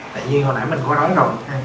tại như hồi nãy mình có nói rồi